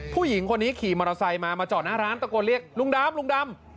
ผู้หญิงคนนี้ขี่มอเตอร์ไซค์มามาจอดหน้าร้านตะโกนเรียกลุงดำลุงดำ